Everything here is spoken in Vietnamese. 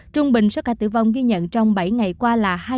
trung bệnh số ca tử vong ghi nhận trong bảy ngày qua là hai trăm một mươi ba ca